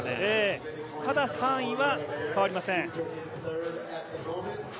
ただ３位は変わりません。